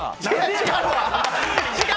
違うわ！